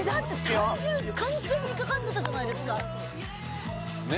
体重完全にかかってたじゃないですかね